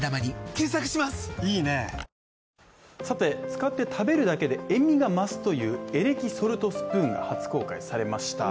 使って食べるだけで塩味が増すというエレキソルトスプーンが初公開されました。